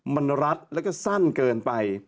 มันรัดแล้วก็สั้นเกินไป